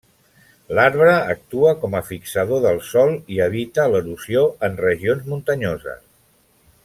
L'arbre actua com a fixador del sòl i evita l'erosió en regions muntanyoses.